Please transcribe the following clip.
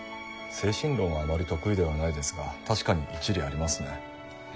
精神論はあまり得意ではないですが確かに一理ありますね。